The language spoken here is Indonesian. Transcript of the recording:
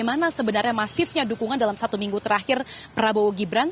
bagaimana sebenarnya masifnya dukungan dalam satu minggu terakhir prabowo gibran